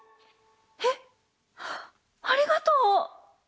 えっありがとう！